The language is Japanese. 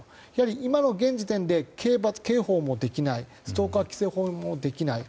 今の現時点で刑法にもできないストーカー規制法もできない。